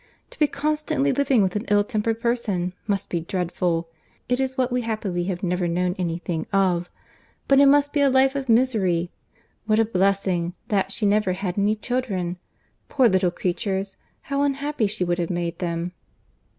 To be constantly living with an ill tempered person, must be dreadful. It is what we happily have never known any thing of; but it must be a life of misery. What a blessing, that she never had any children! Poor little creatures, how unhappy she would have made them!"